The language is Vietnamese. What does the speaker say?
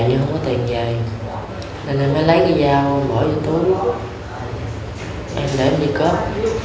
nên em mới lấy cái dao bỏ dưới túi em lấy em đi cướp